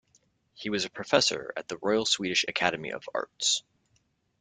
He was a professor at the Royal Swedish Academy of Arts.